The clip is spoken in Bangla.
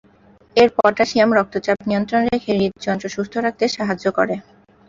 এর পটাশিয়াম রক্তচাপ নিয়ন্ত্রণ রেখে হৃদযন্ত্র সুস্থ রাখতে সাহায্য করে।